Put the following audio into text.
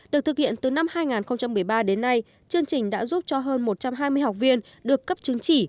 được thực hiện từ năm hai nghìn một mươi ba đến nay chương trình đã giúp cho hơn một trăm hai mươi học viên được cấp chứng chỉ